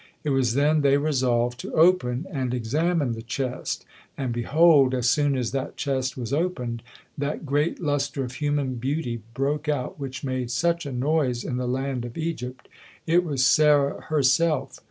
It was then they resolved to open and examine the chest; and, behold, as soon as that chest was opened, that great lustre of human beauty broke out which made such a noise in the land of Egypt; it was Sarah herself!